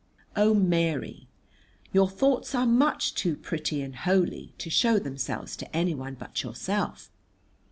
Oh, Mary, your thoughts are much too pretty and holy to show themselves to anyone but yourself.